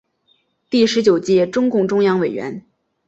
第十九届中共中央委员。